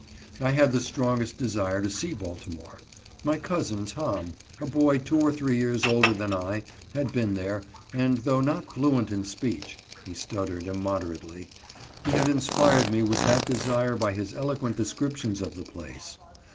I had the strongest desire to see Baltimore. My cousin Tom, a boy two or three years older than I, had been there, and, though not fluent in speech (he stuttered im moderately), he had inspired me with that desire by his eloquent descriptions of the place.